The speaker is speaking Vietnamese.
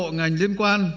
bộ ngành liên quan